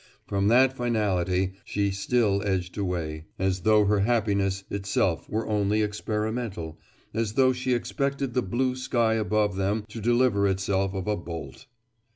From that finality she still edged away, as though her happiness itself were only experimental, as though she expected the blue sky above them to deliver itself of a bolt.